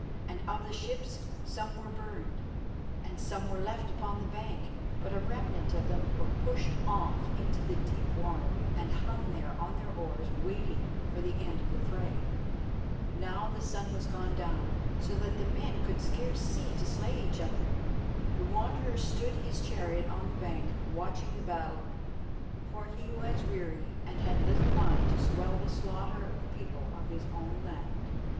And of the ships, some were burned and some were left upon the bank. But a remnant of them were pushed off into the deep water, and hung there on their oars waiting for the end of the fray. Now the sun was gone down, so that men could scarce see to slay each other. The Wanderer stood his chariot on the bank, watching the battle, for he was weary, and had little mind to swell the slaughter of the people of his own land.